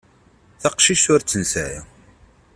Taqcict ur tt-nesεi.